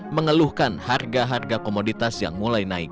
mengeluhkan harga harga komoditas yang mulai naik